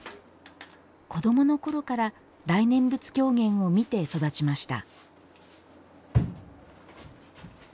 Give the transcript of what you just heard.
子どものころから大念仏狂言を見て育ちました。